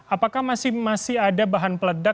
apakah masih ada bahan peledak